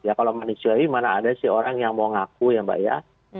ya kalau manusiawi mana ada sih orang yang mau ngaku ya mbak ya